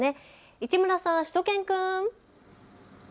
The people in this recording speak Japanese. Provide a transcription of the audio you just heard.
市村さん、しゅと犬くん。